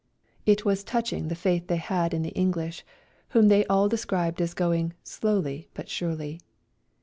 It was touching the faith they had in the English, whom they all described as going " slowly but surely."